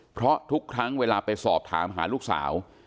เพราะทุกครั้งเวลาไปสอบถามหาลูกสาว